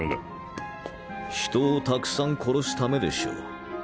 人をたくさん殺すためでしょう。